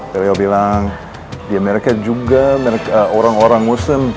beliau bilang di amerika juga orang orang muslim